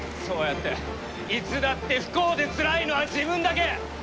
そうやっていつだって不幸でつらいのは自分だけ！